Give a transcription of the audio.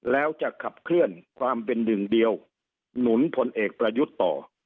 แล้วจะขับเคลื่อนความเป็นหนึ่งเดียวหนุนพลเอกประยุทธ์ต่อ